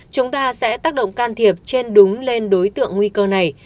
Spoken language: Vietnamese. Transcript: chúng ta sẽ tác động can thiệp trên đúng lên đối tượng nguy cơ này